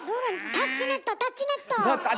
タッチネットタッチネット！